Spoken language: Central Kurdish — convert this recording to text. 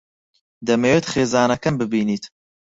دەمەوێت خێزانەکەم ببینیت.